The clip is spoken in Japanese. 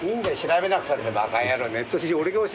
バカ野郎。